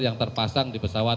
yang terpasang di pesawat